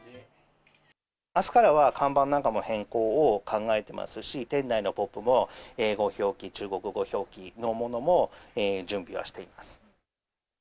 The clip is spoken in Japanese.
あすからは看板なんかも変更を考えてますし、店内のポップも、英語表記、中国語表記のものも準備はしています。